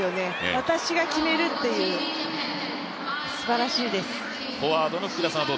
私が決めるっていう、すばらしいです。